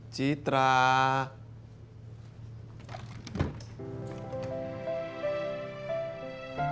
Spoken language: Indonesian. cerita gadis kebaikan